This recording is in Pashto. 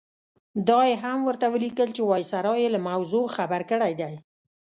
دا یې هم ورته ولیکل چې وایسرا یې له موضوع خبر کړی دی.